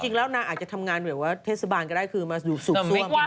จริงแล้วนางอาจจะทำงานเหมือนว่าเทศบาลก็ได้คือมาสูบส้วม